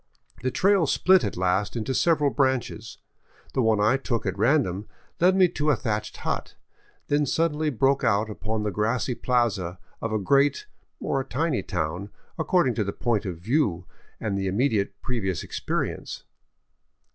The trail split at last into several branches. The one I took at ran dom led me to a thatched hut, then suddenly broke out upon the grassy plaza of a great, or a tiny town, according to the point of view and the immediate previous experience.